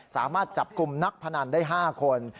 สามารถจับกลุ่มนักพนันได้๕คน